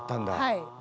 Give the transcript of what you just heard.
はい。